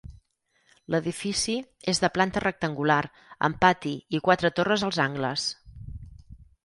L'edifici és de planta rectangular, amb pati i quatre torres als angles.